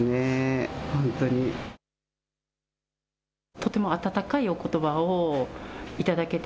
とても温かいおことばを頂けた。